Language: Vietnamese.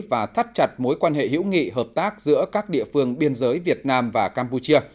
và thắt chặt mối quan hệ hữu nghị hợp tác giữa các địa phương biên giới việt nam và campuchia